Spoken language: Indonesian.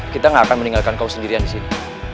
kita gak akan meninggalkan kau sendirian di sini